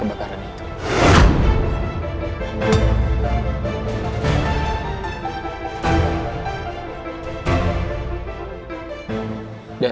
dan kok kacau youn